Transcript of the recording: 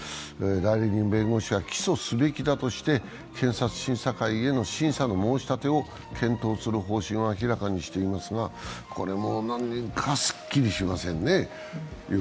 代理人弁護士は、起訴すべきだとして検察審査会への審査の申し立てを検討する方針を明らかにしていますが、これもすっきりしませんね。